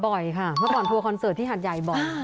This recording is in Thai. บ่อยค่ะเมื่อก่อนทัวลคอนเซิตที่ฮาซยายบ่อย